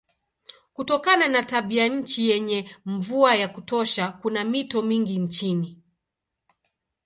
Kutokana na tabianchi yenye mvua ya kutosha kuna mito mingi nchini.